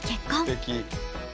すてき。